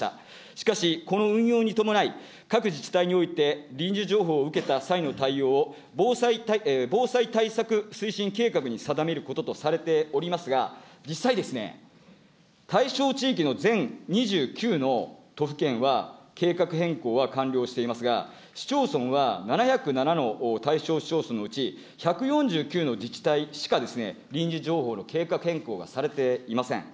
しかし、この運用に伴い、各自治体において、臨時情報を受けた際の対応を、防災対策推進計画に定めることとされておりますが、実際、対象地域の全２９の都府県は、計画変更は完了していますが、市町村は７０７の対象市町村のうち、１４９の自治体しか臨時情報の計画変更がされていません。